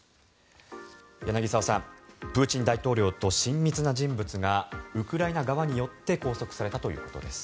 柳澤さん、プーチン大統領と親密な人物がウクライナ側によって拘束されたということです。